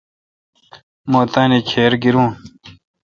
مہتانی کھِر گیرون۔